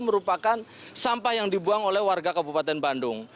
merupakan sampah yang dibuang oleh warga kabupaten bandung